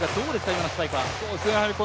今のスパイクは。